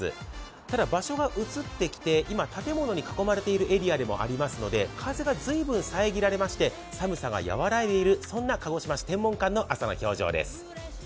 ただ、場所が移ってきて今、建物に囲まれているエリアでもありますので風が随分遮られまして、寒さが和らいでいる、そんな鹿児島市天文館の朝の表情です。